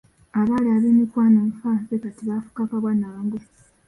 Abaali ab’emikwano fanfe, kati baafuuka kabwa na ngo.